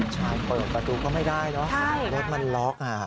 ใช่เปิดประตูก็ไม่ได้เนอะรถมันล็อก